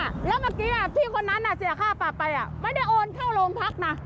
แล้วเมื่อกี้พี่คนนั้นเสียค่าปรับไปไม่ได้โอนเข้าโรงพักนะ